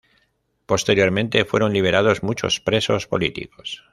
Posteriormente, fueron liberados muchos presos políticos.